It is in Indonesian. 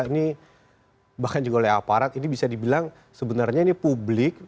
ini bahkan juga oleh aparat ini bisa dibilang sebenarnya ini publik